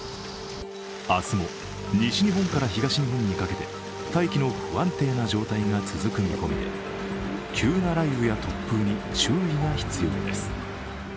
明日も西日本から東日本にかけて大気の不安定な状況が続く見込みで、急な雷雨や突風に注意が必要です。